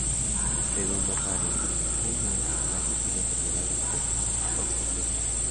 Según Vasari, una "gravísima enfermedad del pecho lo mató en tres días".